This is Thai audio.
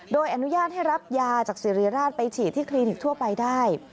โดยอนุญาตให้รับยาจากสิริราชไปฉีดที่คลินิกทั่วไปได้